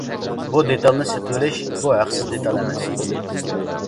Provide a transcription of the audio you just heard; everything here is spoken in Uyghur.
بۇ دېتالنى سېتىۋېلىش بۇ ھەقسىز دېتال ئەمەس.